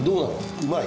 うまい？